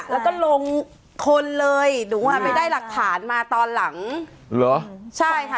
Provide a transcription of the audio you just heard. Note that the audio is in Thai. แล้วก็ลงคนเลยหนูอ่ะไปได้หลักฐานมาตอนหลังเหรอใช่ค่ะ